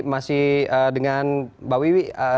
masih dengan mbak wiwi